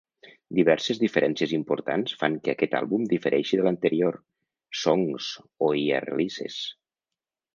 Diverses diferències importants fan que aquest àlbum difereixi de l'anterior, "Songs: Ohia releases".